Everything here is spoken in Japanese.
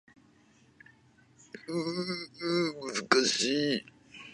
大工の兼公と肴屋の角をつれて、茂作の人参畠をあらした事がある。